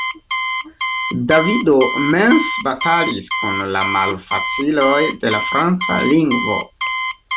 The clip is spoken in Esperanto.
Davido mense batalis kun la malfaciloj de la Franca lingvo.